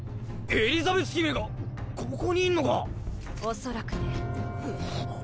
エリザベス姫がここにいんのか⁉おそらくね。あっ。